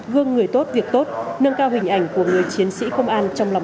gương người tốt việc tốt nâng cao hình ảnh của người chiến sĩ công an trong lòng nhân dân